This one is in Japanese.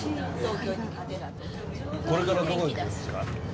これからどこ行くんですか？